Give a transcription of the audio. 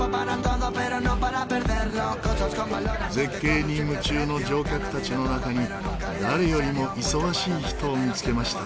絶景に夢中の乗客たちの中に誰よりも忙しい人を見つけました。